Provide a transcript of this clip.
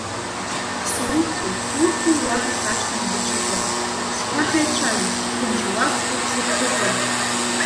Судкыл, судкыл уаҳа сашьҭам даҽакы, цқьа ҳаицәажәап, ҭынч иуасҳәап сыгәҭакы!